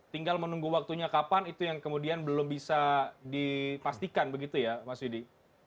tinggal menunggu waktunya kapan itu yang kemudian belum bisa dipastikan begitu ya mas yudi